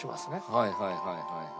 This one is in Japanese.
はいはいはいはい。